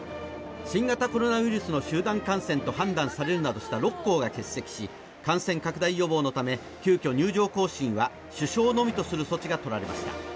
新型コロナウイルスの集団感染と判断されるなどした６校が欠席し感染拡大予防のため急きょ、入場行進は主将のみとする措置が取られました。